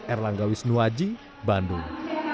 erlanggawis nuwaji bandung